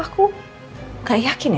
aku mau pergi ke rumah